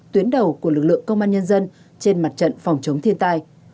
tuyến đầu của lực lượng công an nhân dân trên mặt trận phòng chống thiên tai